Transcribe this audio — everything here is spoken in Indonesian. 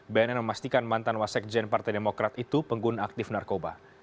bnn memastikan mantan wasekjen partai demokrat itu pengguna aktif narkoba